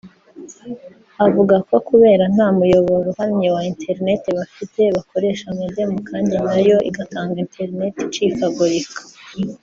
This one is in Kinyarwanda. avuga ko kubera nta muyoboro uhamye wa internet bafite bakoresha modemu kandi nayo igatanga interineti icikagurika